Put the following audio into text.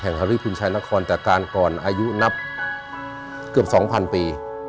แห่งฮาริพุทธชายนครจากการก่อนอายุนับเกือบ๒๐๐๐ปี